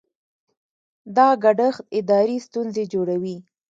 دا ګډښت اداري ستونزې جوړوي.